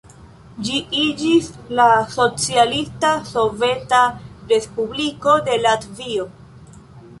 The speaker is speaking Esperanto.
Ĝi iĝis la Socialista Soveta Respubliko de Latvio.